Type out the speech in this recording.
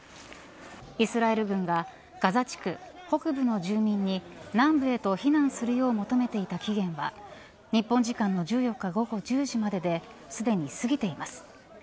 イスラエル軍がガザ地区北部の住人に南部へと避難するよう求めていた期限は日本時間の１４日午後１０時までですでに過ぎています。